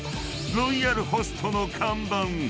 ［ロイヤルホストの看板